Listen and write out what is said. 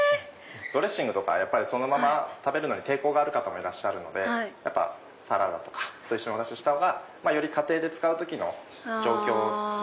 ドレッシングとかそのまま食べるのに抵抗がある方もいるのでサラダとかと一緒にお出しした方がより家庭で使う時の状況シチュエーションで。